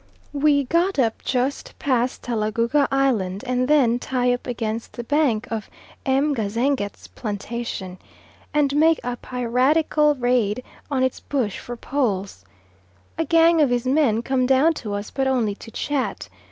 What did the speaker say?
We get up just past Talagouga Island and then tie up against the bank of M. Gazenget's plantation, and make a piratical raid on its bush for poles. A gang of his men come down to us, but only to chat.